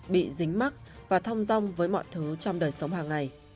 bị dính mắc và thong rong với mọi thứ trong đời sống hàng ngày